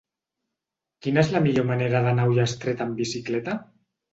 Quina és la millor manera d'anar a Ullastret amb bicicleta?